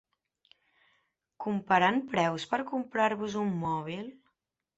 Comparant preus per comprar-vos un mòbil?